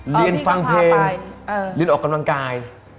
เรียนฟังเพลงเรียนออกกำลังกาย